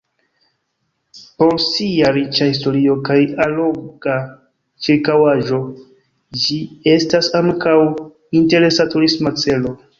Por sia riĉa historio kaj alloga ĉirkaŭaĵo ĝi estas ankaŭ interesa turisma celo.